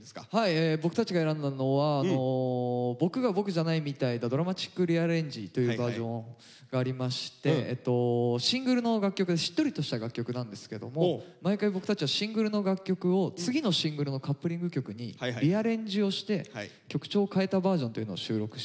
僕たちが選んだのは「僕が僕じゃないみたいだ」というバージョンがありましてえっとシングルの楽曲しっとりとした楽曲なんですけども毎回僕たちはシングルの楽曲を次のシングルのカップリング曲にリアレンジをして曲調を変えたバージョンというのを収録してて。